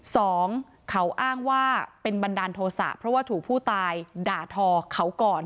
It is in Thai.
สองเขาอ้างว่าเป็นบันดาลโทษะเพราะว่าถูกผู้ตายด่าทอเขาก่อน